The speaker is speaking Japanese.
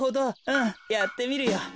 うんやってみるよ。